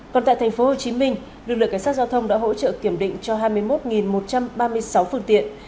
còn tại tp hcm lực lượng cảnh sát giao thông đã hỗ trợ kiểm định cho hai mươi một một trăm ba mươi sáu phương tiện